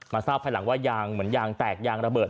มาทราบที่หลังว่ายางแตกยางระเบิด